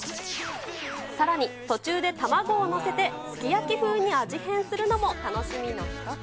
さらに、途中で卵を載せてすき焼き風に味変するのも楽しみの一つ。